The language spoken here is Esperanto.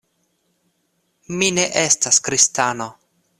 Mi ne estas kristano.